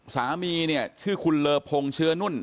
สามีเนี่ยชื่อคุณเลอพงเชื้อนุ่น